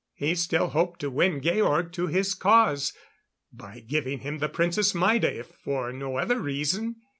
He still hoped to win Georg to his cause, by giving him the Princess Maida, if for no other reason.